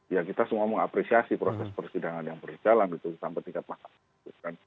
ya kita semua mengapresiasi proses persidangan yang berjalan gitu tanpa tingkat makasih